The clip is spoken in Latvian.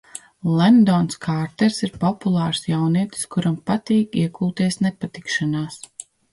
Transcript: Lendons Kārters ir populārs jaunietis, kuram patīk iekulties nepatikšanās.